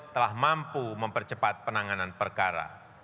telah mampu mempercepat penanganan perkara